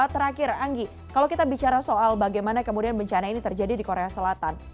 terakhir anggi kalau kita bicara soal bagaimana kemudian bencana ini terjadi di korea selatan